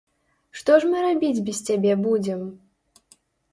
Што ж мы рабіць без цябе будзем?